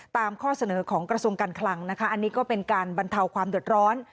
ข้อเสนอของกระทรวงการคลังนะคะอันนี้ก็เป็นการบรรเทาความเดือดร้อน